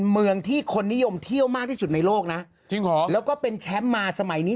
เมืองที่คนนิยมเที่ยวมากที่สุดในโลกนะจริงเหรอแล้วก็เป็นแชมป์มาสมัยนี้